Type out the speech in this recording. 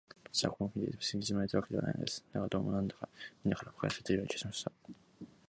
私はこの国で、別にいじめられたわけではないのです。だが、どうも、なんだか、みんなから馬鹿にされているような気がしました。